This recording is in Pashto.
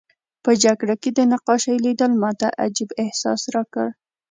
په جګړه کې د نقاشۍ لیدل ماته عجیب احساس راکړ